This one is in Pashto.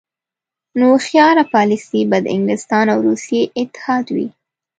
نو هوښیاره پالیسي به د انګلستان او روسیې اتحاد وي.